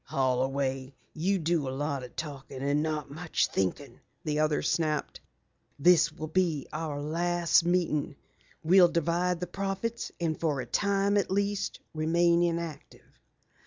"Holloway, you do a lot of talking and not much thinking," the other snapped. "This will be our last meeting. We'll divide the profits, and for a time at least, remain inactive."